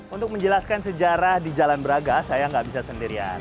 untuk menjelaskan sejarah di jalan braga saya nggak bisa sendirian